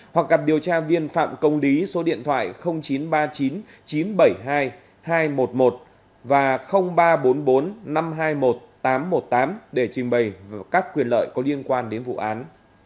hoặc gặp điều tra viên phạm công lý số điện thoại chín trăm ba mươi chín chín trăm bảy mươi hai hai trăm một mươi một và ba trăm bốn mươi bốn năm trăm hai mươi một tám trăm một mươi tám để trình bày các quyền lợi có liên quan đến vụ án